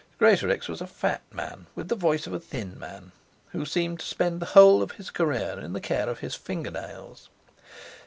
Greatorex was a fat man, with the voice of a thin man, who seemed to spend the whole of his career in the care of his fingernails.